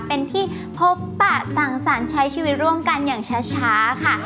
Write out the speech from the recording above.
เป็นที่พบปะสั่งสรรค์ใช้ชีวิตร่วมกันอย่างช้าค่ะ